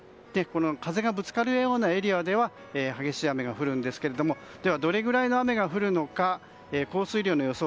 風がぶつかるようなエリアでは激しい雨が降るんですけどでは、どのぐらいの雨が降るのか降水量の予想